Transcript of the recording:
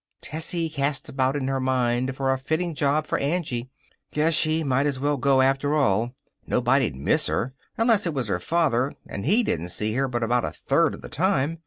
Tessie cast about in her mind for a fitting job for Angie. Guess she might's well go, after all. Nobody'd miss her, unless it was her father, and he didn't see her but about a third of the time.